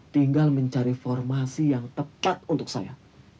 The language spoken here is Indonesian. tinggal mencari formasi yang tepat untuk saya